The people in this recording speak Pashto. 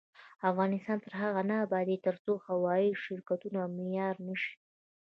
افغانستان تر هغو نه ابادیږي، ترڅو هوايي شرکتونه معیاري نشي.